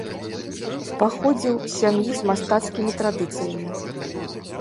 Паходзіў з сем'і з мастацкімі традыцыямі.